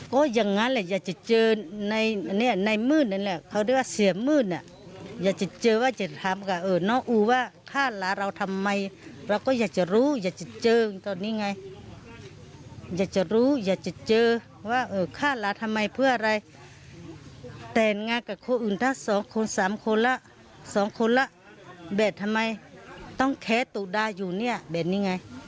๓คนล่ะ๒คนล่ะแต่ทำไมต้องแค๊สตุราอยู่แบบนี้ไง